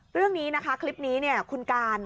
เรื่องนี้นะคะคลิปนี้คุณการค์